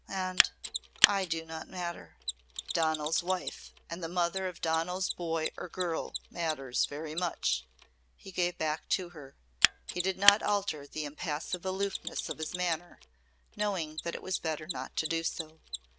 And I do not matter." "Donal's wife and the mother of Donal's boy or girl matters very much," he gave back to her. He did not alter the impassive aloofness of his manner, knowing that it was better not to do so.